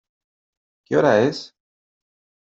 ¿Qué hora es?